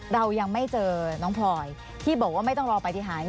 เรายังไม่เจอน้องพลอยที่บอกว่าไม่ต้องรอปฏิหาร